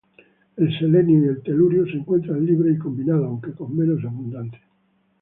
El selenio y el telurio se encuentran libres y combinados, aunque con menos abundancia.